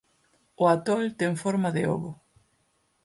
O atol ten forma de ovo.